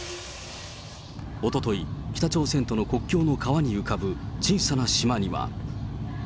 おととい、北朝鮮との国境の川に浮かぶ小さな島には。